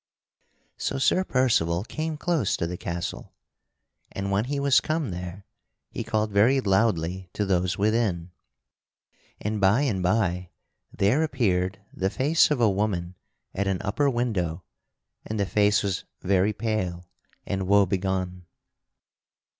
[Sidenote: Sir Percival cometh to Beaurepaire] So Sir Percival came close to the castle, and when he was come there he called very loudly to those within, and by and by there appeared the face of a woman at an upper window and the face was very pale and woe begone.